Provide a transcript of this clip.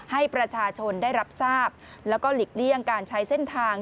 ให้ประชาชนได้รับทราบแล้วก็หลีกเลี่ยงการใช้เส้นทาง